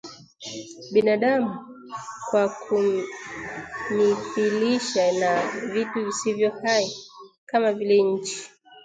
binadamu kwa kummithilisha na vitu visivyo hai kama vile; nchi